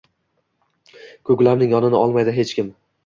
koʼklamning yonini olmaydi hech kim